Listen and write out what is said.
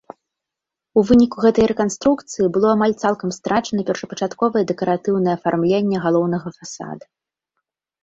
У выніку гэтай рэканструкцыі было амаль цалкам страчана першапачатковае дэкаратыўнае афармленне галоўнага фасада.